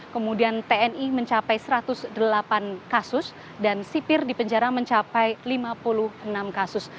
kemudian tni mencapai satu ratus delapan kasus dan sipir di penjara mencapai lima puluh enam kasus